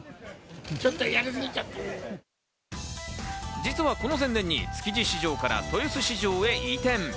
実はこの前年に築地から豊洲市場へ移転。